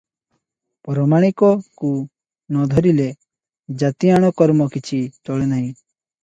ପରମାଣିକ କୁ ନ ଧରିଲେ ଜାତିଆଣ କର୍ମ କିଛି ଚଳେ ନାହିଁ ।